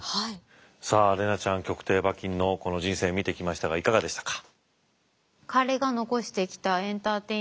さあ怜奈ちゃん曲亭馬琴のこの人生見てきましたがいかがでしたか。